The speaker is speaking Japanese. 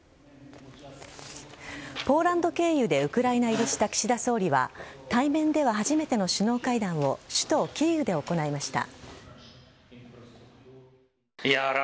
ポーランド経由でウクライナ入りした岸田総理は対面では初めての首脳会談を首都・キーウで行いました。